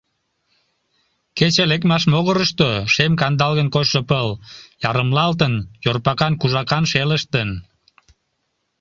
Кече лекмаш могырышто шем-кандалгын койшо пыл ярымлалтын, йорпакан-кужакан шелыштын.